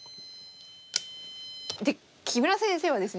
で木村先生はですね